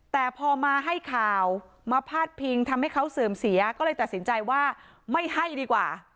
แต่พอมาให้ข่าวมาพาดพิงทำให้เขาเสื่อมเสียก็เลยตัดสินใจว่าไม่ให้ดีกว่า